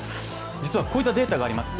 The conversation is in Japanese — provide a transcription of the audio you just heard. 実は、こういったデータがあります。